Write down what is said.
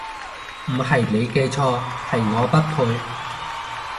唔係你嘅錯，係我不配